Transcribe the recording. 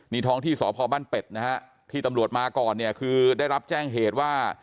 นี่ท้องที่สพบ้านเป็ดนะฮะที่ตำรวจมาก่อนเนี่ยคือได้รับแจ้งเหตุว่า